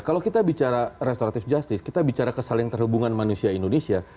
kalau kita bicara restoratif justice kita bicara kesaling terhubungan manusia indonesia